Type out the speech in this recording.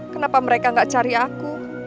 kenapa mereka gak cari aku